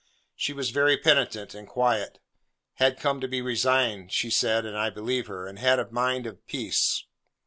She was very penitent and quiet; had come to be resigned, she said (and I believe her); and had a mind at peace.